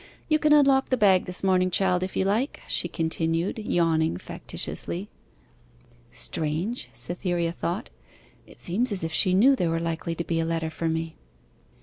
'You can unlock the bag this morning, child, if you like,' she continued, yawning factitiously. 'Strange!' Cytherea thought; 'it seems as if she knew there was likely to be a letter for me.